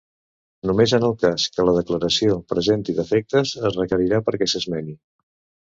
Només en el cas que la declaració presenti defectes es requerirà perquè s'esmeni.